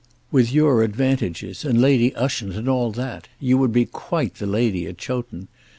With your advantages, and Lady Ushant, and all that, you would be quite the lady at Chowton.